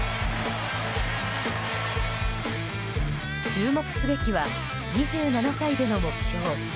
注目すべきは２７歳での目標。